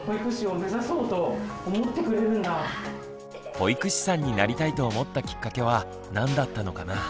保育士さんになりたいと思ったきっかけは何だったのかな？